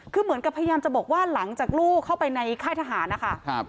คือเหมือนกับพยายามจะบอกว่าหลังจากลูกเข้าไปในค่ายทหารนะคะ